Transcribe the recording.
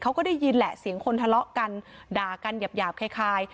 เขาก็ได้ยินแหละเสียงคนทะเลาะกันด่ากันหยาบคล้าย